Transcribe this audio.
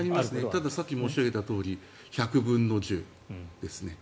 たださっき申し上げたとおり１００分の１０ですね。